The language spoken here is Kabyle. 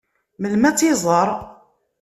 Melmi ad tt-iẓeṛ?